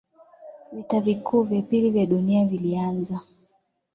vita vikuu vya pili vya dunia vilianza